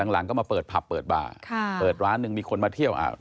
หลังก็มาเปิดผับเปิดบ่าค่ะเปิดร้านหนึ่งมีคนมาเที่ยวอ่า